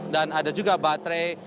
dan ada juga baterai